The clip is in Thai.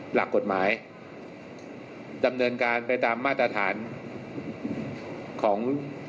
หลักกฎหมายดำเนินการไปตามมาตรฐานของ